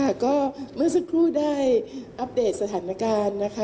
เมื่อสักครู่ได้อัปเดตสถานการณ์นะคะ